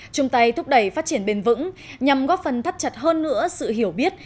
chung tay thúc đẩy phát triển bền vững nhằm góp phần thắt chặt hơn nữa sự hiểu biết